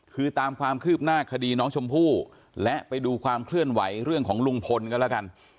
คือตามความคืบหน้าคดีน้องชมพู่และไปดูความเคลื่อนไหวเรื่องของลุงพลก็แล้วกัน